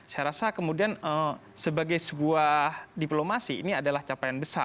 saya rasa kemudian sebagai sebuah diplomasi ini adalah capaian besar